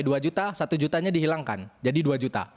rp satu nya dihilangkan jadi rp dua